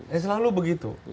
ya selalu begitu